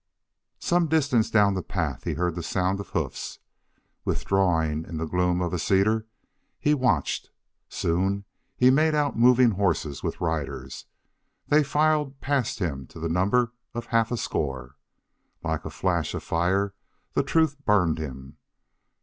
Some distance down the path he heard the sound of hoofs. Withdrawing into the gloom of a cedar, he watched. Soon he made out moving horses with riders. They filed past him to the number of half a score. Like a flash of fire the truth burned him.